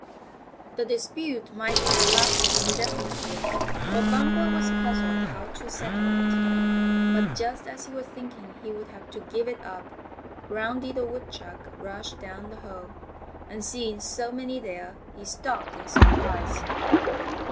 The dispute might have lasted indefinitely, for Bumper was puzzled how to settle it; but just as he was thinking he would have to give it up Groundy the Woodchuck rushed down the hole, and seeing so many there he stopped in surprise.